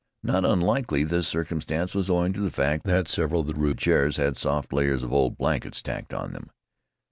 Not unlikely this circumstance was owing to the fact that several of the rude chairs had soft layers of old blanket tacked on them.